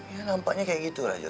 ya nampaknya seperti itu